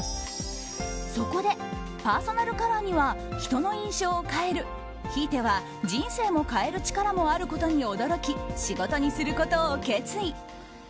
そこでパーソナルカラーには人の印象を変えるひいては人生も変える力もあることに驚き仕事にすることを決意。